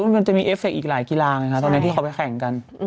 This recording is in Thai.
มันจะมีเอฟเคอีกหลายกีฬาไงครับตอนนี้ที่เขาไปแข่งกัน